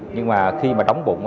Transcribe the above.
nhưng mà khi mà đóng bụng